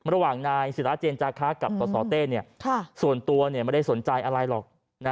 ระหว่างนายศิราเจนจาคะกับสสเต้ส่วนตัวไม่ได้สนใจอะไรหรอก